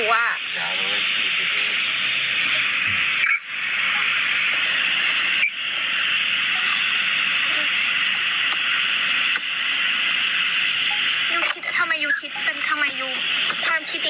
ยูคิดอะไรของยูอยู่อ่ะ